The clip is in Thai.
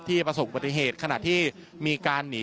ประสบปฏิเหตุขณะที่มีการหนี